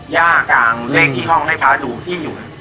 ย่ากางเลขที่ห้องให้พระดูที่อยู่